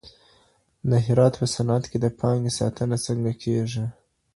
د هرات په صنعت کي د پانګې ساتنه څنګه کېږي؟